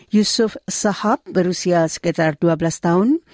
yusuf sahab berusia sekitar dua belas tahun